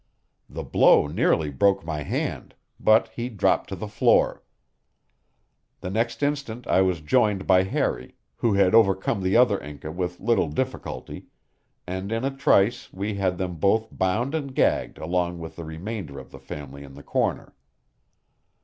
The blow nearly broke my hand, but he dropped to the floor. The next instant I was joined by Harry, who had overcome the other Inca with little difficulty, and in a trice we had them both bound and gagged along with the remainder of the family in the corner.